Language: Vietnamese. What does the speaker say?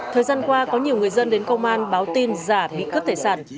thời gian qua có nhiều người dân đến công an báo tin giả bị cướp tài sản